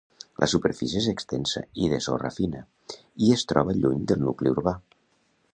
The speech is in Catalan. La superfície és extensa i de sorra fina, i es troba lluny del nucli urbà.